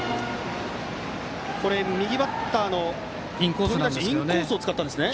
右バッターのインコースですね。